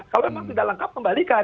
kalau memang tidak lengkap kembalikan